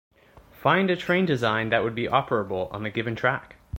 Find a train design that would be operable on the given track.